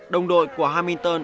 đồng đội của hamilton